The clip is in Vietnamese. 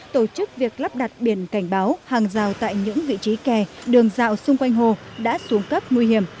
tổ chức việc lắp đặt biển cảnh báo hàng rào tại những vị trí kè đường dạo xung quanh hồ đã xuống cấp nguy hiểm